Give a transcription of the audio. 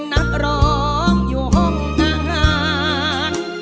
นักร้องอยู่ห้องอาหาร